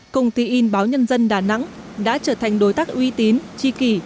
công ty in báo nhân dân đà nẵng đã trở thành đối tác uy tín chi kỷ